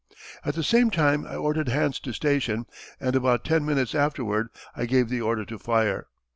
At the same time I ordered hands to station, and about ten minutes afterward I gave the order to fire.